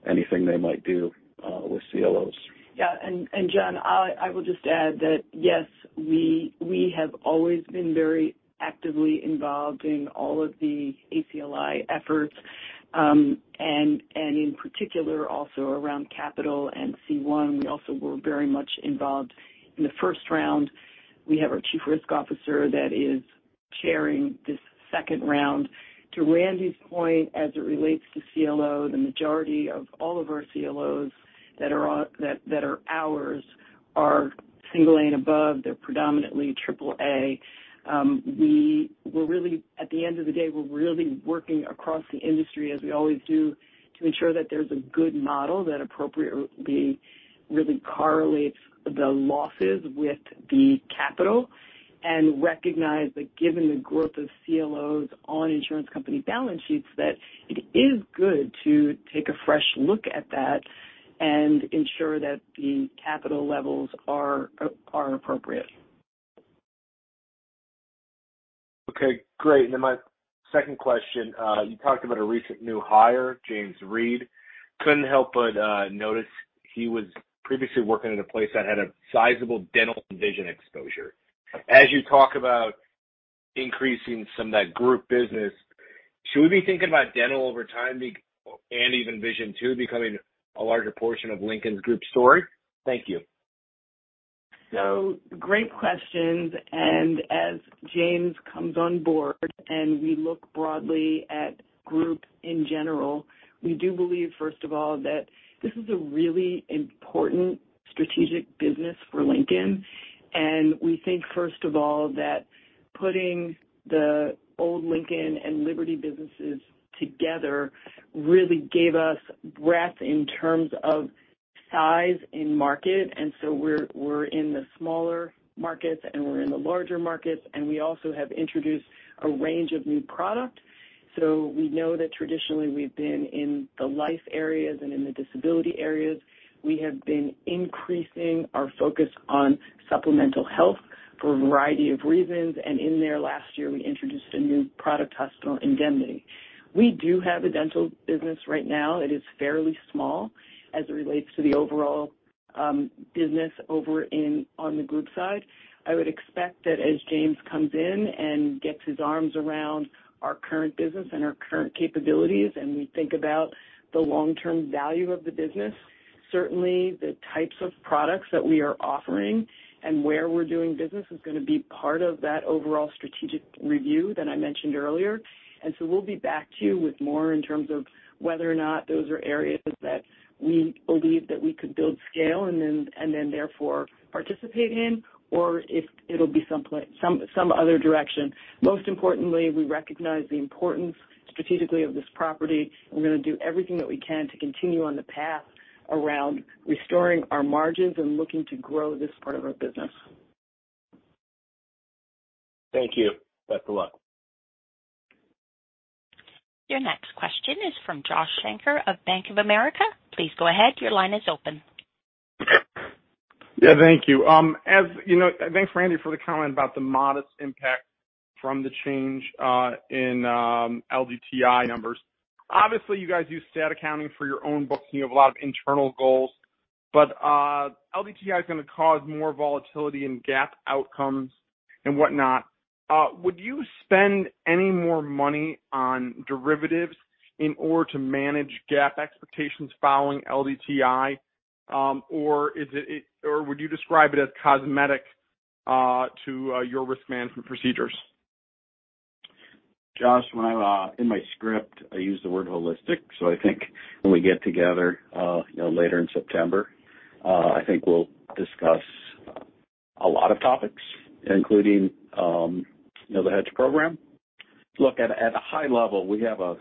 anything they might do with CLOs. Yeah. John, I will just add that, yes, we have always been very actively involved in all of the ACLI efforts, in particular also around capital and C1. We also were very much involved in the first round. We have our chief risk officer that is chairing this second round. To Randy's point, as it relates to CLO, the majority of all of our CLOs that are ours are single A and above. They're predominantly triple A. At the end of the day, we're really working across the industry as we always do to ensure that there's a good model that appropriately really correlates the losses with the capital and recognize that given the growth of CLOs on insurance company balance sheets, that it is good to take a fresh look at that and ensure that the capital levels are appropriate. Okay, great. Then my second question, you talked about a recent new hire, James Reid. Couldn't help but notice he was previously working at a place that had a sizable dental and vision exposure. As you talk about increasing some of that group business, should we be thinking about dental over time, and even vision too, becoming a larger portion of Lincoln's group story? Thank you. Great questions. As James comes on board, and we look broadly at group in general, we do believe, first of all, that this is a really important strategic business for Lincoln. We think, first of all, that putting the old Lincoln and Liberty businesses together really gave us breadth in terms of size in market. We're in the smaller markets and we're in the larger markets, and we also have introduced a range of new product. We know that traditionally we've been in the life areas and in the disability areas. We have been increasing our focus on supplemental health for a variety of reasons, and then last year, we introduced a new product, hospital indemnity. We do have a dental business right now. It is fairly small as it relates to the overall business over in, on the group side. I would expect that as James comes in and gets his arms around our current business and our current capabilities, and we think about the long-term value of the business, certainly the types of products that we are offering and where we're doing business is gonna be part of that overall strategic review that I mentioned earlier. We'll be back to you with more in terms of whether or not those are areas that we believe that we could build scale and then therefore participate in, or if it'll be some other direction. Most importantly, we recognize the importance strategically of this property, and we're gonna do everything that we can to continue on the path around restoring our margins and looking to grow this part of our business. Thank you. Best of luck. Your next question is from Joshua Shanker of Bank of America. Please go ahead. Your line is open. Yeah, thank you. As you know, thanks, Randy, for the comment about the modest impact from the change in LDTI numbers. Obviously, you guys use stat accounting for your own books, and you have a lot of internal goals, but LDTI is gonna cause more volatility in GAAP outcomes and whatnot. Would you spend any more money on derivatives in order to manage GAAP expectations following LDTI? Or is it, or would you describe it as cosmetic to your risk management procedures? Josh, when I in my script, I use the word holistic. I think when we get together, you know, later in September, I think we'll discuss a lot of topics, including, you know, the hedge program. Look, at a high level, we have a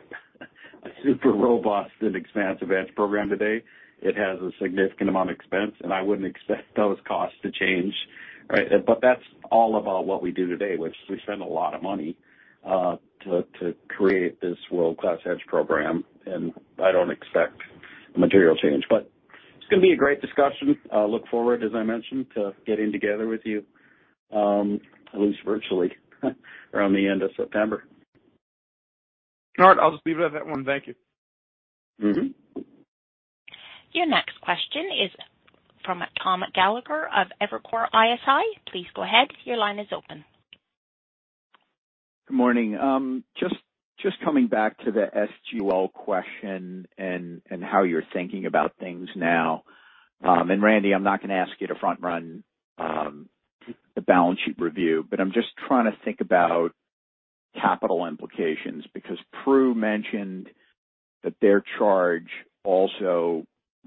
super robust and expansive hedge program today. It has a significant amount of expense, and I wouldn't expect those costs to change, right? That's all about what we do today, which is we spend a lot of money to create this world-class hedge program, and I don't expect a material change. It's gonna be a great discussion. I'll look forward, as I mentioned, to getting together with you, at least virtually, around the end of September. All right. I'll just leave it at that one. Thank you. Mm-hmm. Your next question is from Tom Gallagher of Evercore ISI. Please go ahead. Your line is open. Good morning. Just coming back to the SGUL question and how you're thinking about things now. Randy, I'm not gonna ask you to front run the balance sheet review, but I'm just trying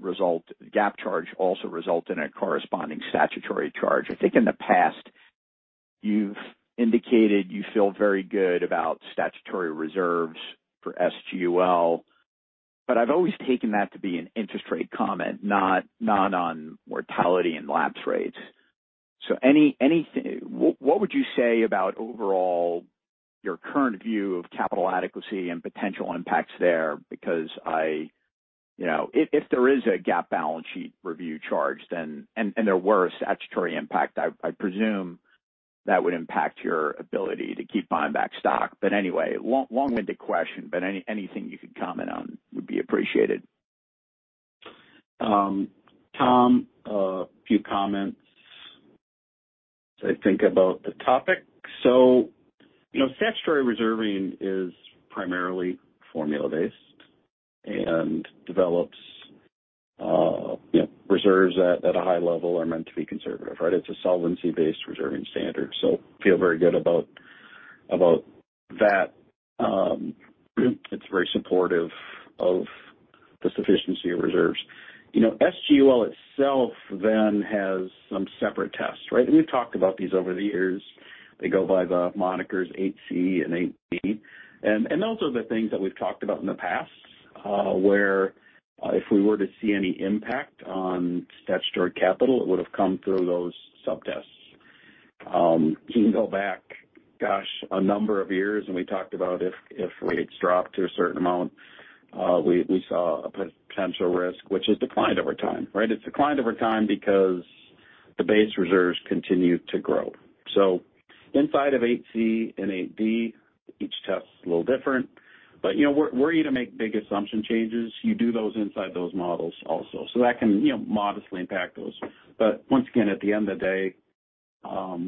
to think about capital implications because Pru mentioned that the GAAP charge also results in a corresponding statutory charge. I think in the past, you've indicated you feel very good about statutory reserves for SGUL, but I've always taken that to be an interest rate comment, not on mortality and lapse rates. What would you say about overall your current view of capital adequacy and potential impacts there? Because you know, if there is a GAAP balance sheet review charge, then and there were a statutory impact, I presume that would impact your ability to keep buying back stock. Anyway, long-winded question, but anything you could comment on would be appreciated. Tom, a few comments as I think about the topic. You know, statutory reserving is primarily formula-based and develops reserves at a high level are meant to be conservative, right? It's a solvency-based reserving standard. Feel very good about that. It's very supportive of the sufficiency of reserves. You know, SGUL itself then has some separate tests, right? We've talked about these over the years. They go by the monikers HC and HB. Those are the things that we've talked about in the past, where if we were to see any impact on statutory capital, it would have come through those sub-tests. You can go back a number of years, and we talked about if rates dropped to a certain amount, we saw a potential risk which has declined over time, right? It's declined over time because the base reserves continue to grow. Inside of AC and AD, each test is a little different. You know, we're here to make big assumption changes. You do those inside those models also. That can, you know, modestly impact those. Once again, at the end of the day,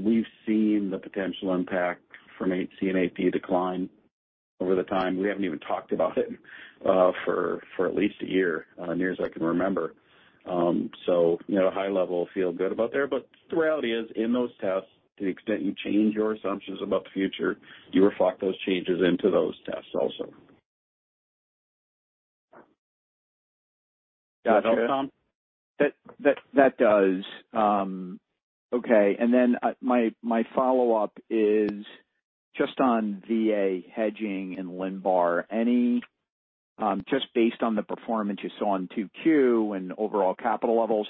we've seen the potential impact from AC and AD decline over the time. We haven't even talked about it for at least a year, near as I can remember. You know, high level feel good about there. The reality is, in those tests, to the extent you change your assumptions about the future, you reflect those changes into those tests also. Does that help, Tom? That does. Okay, my follow-up is just on VA hedging and LINBAR. Just based on the performance you saw in 2Q and overall capital levels,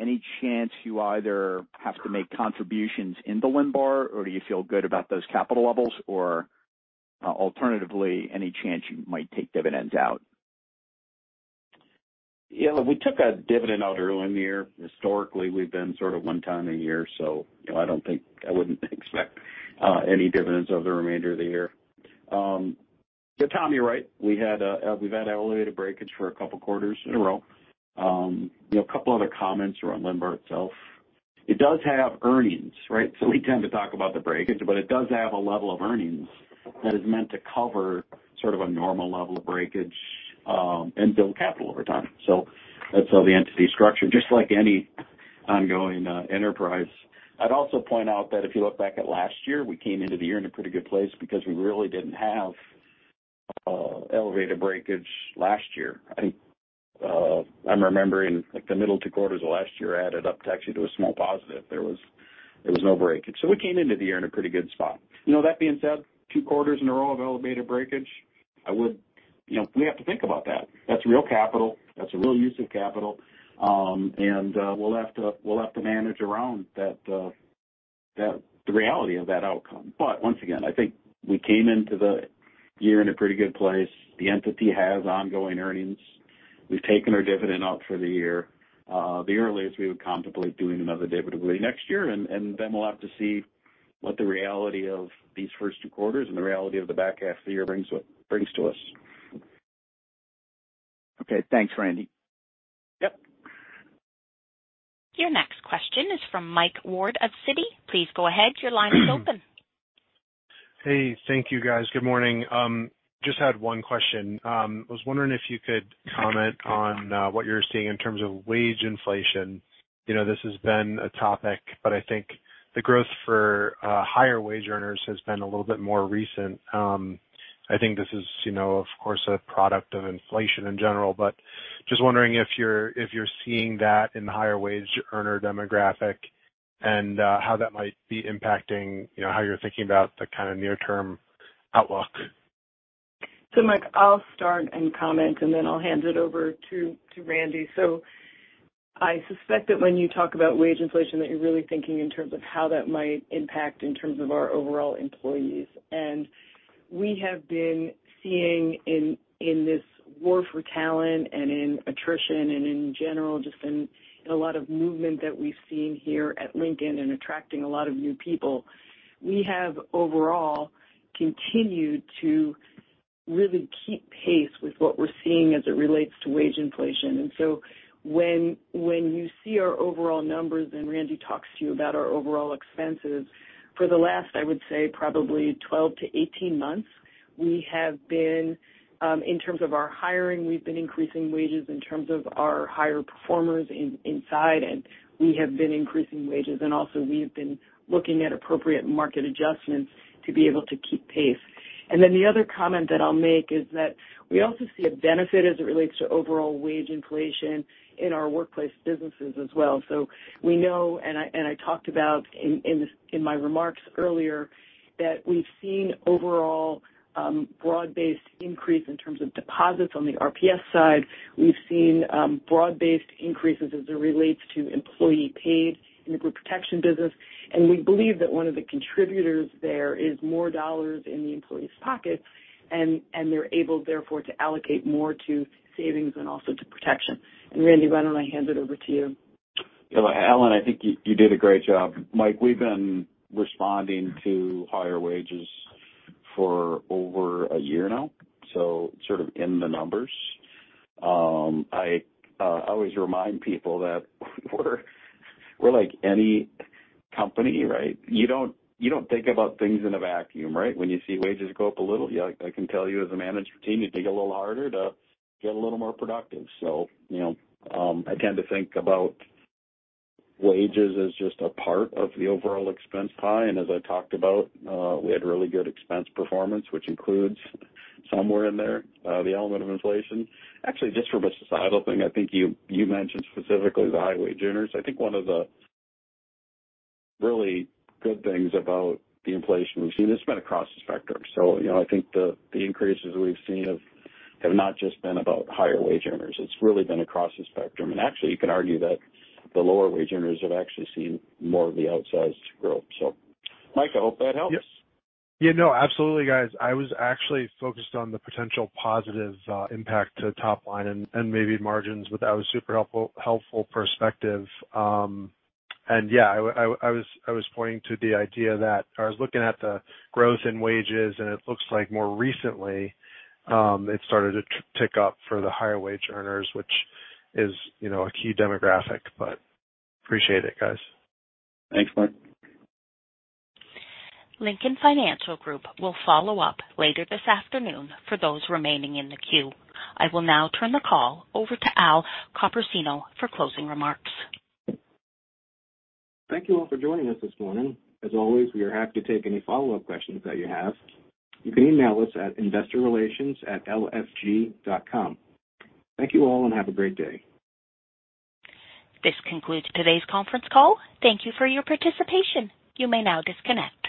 any chance you either have to make contributions in the LINBAR, or do you feel good about those capital levels? Or alternatively, any chance you might take dividends out? Yeah. We took a dividend out early in the year. Historically, we've been sort of one time a year, so, you know, I wouldn't expect any dividends over the remainder of the year. Tom, you're right. We've had elevated breakage for a couple quarters in a row. You know, a couple other comments around LINBAR itself. It does have earnings, right? We tend to talk about the breakage, but it does have a level of earnings that is meant to cover sort of a normal level of breakage, and build capital over time. That's how the entity is structured, just like any ongoing enterprise. I'd also point out that if you look back at last year, we came into the year in a pretty good place because we really didn't have elevated breakage last year. I think, I'm remembering like the middle two quarters of last year added up to actually to a small positive. There was no breakage. We came into the year in a pretty good spot. You know, that being said, two quarters in a row of elevated breakage, I would. You know, we have to think about that. That's real capital. That's a real use of capital. And we'll have to manage around that, the reality of that outcome. Once again, I think we came into the year in a pretty good place. The entity has ongoing earnings. We've taken our dividend out for the year. The earliest we would contemplate doing another dividend will be next year, and then we'll have to see what the reality of these first two quarters and the reality of the back half of the year brings to us. Okay. Thanks, Randy. Yep. Your next question is from Mike Ward of Citi. Please go ahead. Your line is open. Hey. Thank you, guys. Good morning. Just had one question. I was wondering if you could comment on what you're seeing in terms of wage inflation. You know, this has been a topic, but I think the growth for higher wage earners has been a little bit more recent. I think this is, you know, of course, a product of inflation in general, but just wondering if you're seeing that in the higher wage earner demographic and how that might be impacting, you know, how you're thinking about the kind of near term outlook. Mike, I'll start and comment, and then I'll hand it over to Randy. I suspect that when you talk about wage inflation, that you're really thinking in terms of how that might impact in terms of our overall employees. We have been seeing in this war for talent and in attrition and in general just in a lot of movement that we've seen here at Lincoln and attracting a lot of new people. We have overall continued to really keep pace with what we're seeing as it relates to wage inflation. When you see our overall numbers and Randy talks to you about our overall expenses, for the last, I would say probably 12-18 months, we have been in terms of our hiring, we've been increasing wages in terms of our higher performers inside, and we have been increasing wages. We also have been looking at appropriate market adjustments to be able to keep pace. Then the other comment that I'll make is that we also see a benefit as it relates to overall wage inflation in our workplace businesses as well. We know, and I talked about in this, in my remarks earlier, that we've seen overall broad-based increase in terms of deposits on the RPS side. We've seen broad-based increases as it relates to employee paid in the group protection business. We believe that one of the contributors there is more dollars in the employee's pocket and they're able therefore to allocate more to savings and also to protection. Randy, why don't I hand it over to you? Yeah. Ellen, I think you did a great job. Mike, we've been responding to higher wages for over a year now, so sort of in the numbers. I always remind people that we're like any company, right? You don't think about things in a vacuum, right? When you see wages go up a little, yeah, I can tell you as a management team, you dig a little harder to get a little more productive. You know, I tend to think about wages as just a part of the overall expense pie. As I talked about, we had really good expense performance, which includes somewhere in there the element of inflation. Actually, just from a societal thing, I think you mentioned specifically the high wage earners. I think one of the really good things about the inflation we've seen, it's been across the spectrum. You know, I think the increases we've seen have not just been about higher wage earners. It's really been across the spectrum. Actually, you can argue that the lower wage earners have actually seen more of the outsized growth. Mike, I hope that helps. Yeah. No, absolutely guys. I was actually focused on the potential positive impact to top line and maybe margins, but that was super helpful perspective. Yeah, I was pointing to the idea that I was looking at the growth in wages, and it looks like more recently it started to tick up for the higher wage earners, which is, you know, a key demographic, but appreciate it, guys. Thanks, Mike. Lincoln Financial Group will follow up later this afternoon for those remaining in the queue. I will now turn the call over to Al Copersino for closing remarks. Thank you all for joining us this morning. As always, we are happy to take any follow-up questions that you have. You can email us at investorrelations@lfg.com. Thank you all and have a great day. This concludes today's conference call. Thank you for your participation. You may now disconnect.